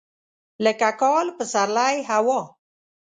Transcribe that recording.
لکه کال، پسرلی، هوا.